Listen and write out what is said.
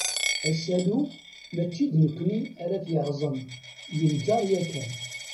Asalu, mačči d nekni ara t-yerẓen, yenǧer yakan.